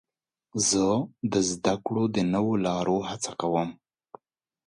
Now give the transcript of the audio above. زه د زدهکړې د نوو لارو هڅه کوم.